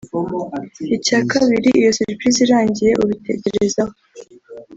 icya kabiri iyo surprise irangiye ubitekerezaho